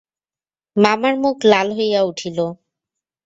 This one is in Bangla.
মামার মুখ লাল হইয়া উঠিল।